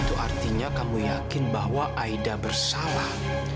itu artinya kamu yakin bahwa aida bersalah